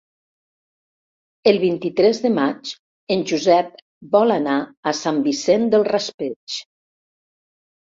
El vint-i-tres de maig en Josep vol anar a Sant Vicent del Raspeig.